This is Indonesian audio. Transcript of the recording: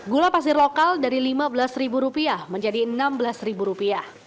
gula pasir lokal dari rp lima belas menjadi rp enam belas